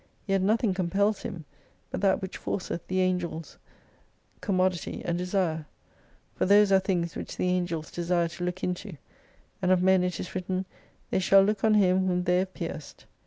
Yet nothing compels him, but that which forceth the Angels, Commodity and Desire. For those are thuigs which the Angels desire to look into. And of men it is written. They shall look on Him whom they have pierced.